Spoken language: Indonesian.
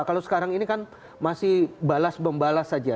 karena sekarang ini kan masih balas membalas saja